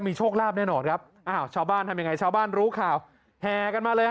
โชคลาภแน่นอนครับอ้าวชาวบ้านทำยังไงชาวบ้านรู้ข่าวแห่กันมาเลยฮ